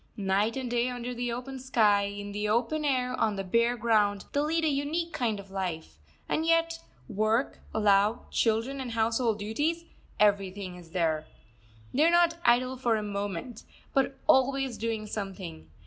Night and day under the open sky, in the open air, on the bare ground, they lead a unique kind of life; and yet work, love, children, and household duties everything is there. They are not idle for a moment, but always doing something.